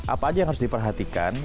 apa aja yang harus diperhatikan